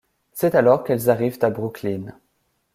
C'est alors qu'elles arrivent à Brooklyn.